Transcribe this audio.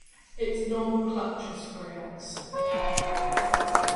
Its normal clutch is three eggs.